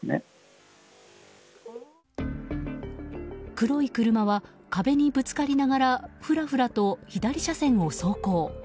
黒い車は壁にぶつかりながらふらふらと左車線を走行。